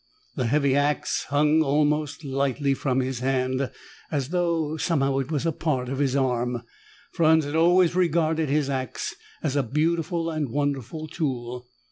The heavy ax hung almost lightly from his hand, as though somehow it was a part of his arm. Franz had always regarded his ax as a beautiful and wonderful tool.